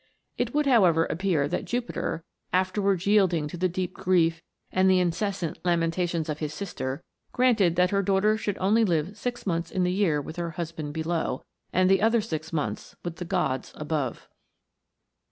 It would, however, appear that Jupiter, afterwards yielding to the deep grief and the incessant lamentations of his sister, granted that her daughter should only live six months in the year with her husband below, and the other six months with the gods above.